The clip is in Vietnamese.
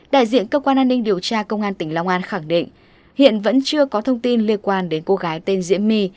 đại diện cơ quan an ninh điều tra công an tỉnh long an khẳng định hiện vẫn chưa có thông tin liên quan đến cô gái tên diễm my